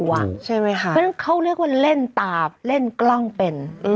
ใช่ไหมค่ะเพราะฉะนั้นเขาเรียกว่าเล่นตาเล่นกล้องเป็นอืม